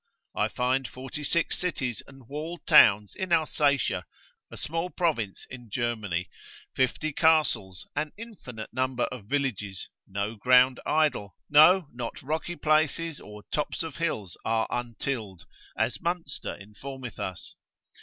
I find 46 cities and walled towns in Alsatia, a small province in Germany, 50 castles, an infinite number of villages, no ground idle, no not rocky places, or tops of hills are untilled, as Munster informeth us.